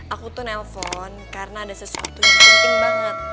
aku tuh nelpon karena ada sesuatu yang penting banget